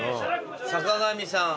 坂上さん。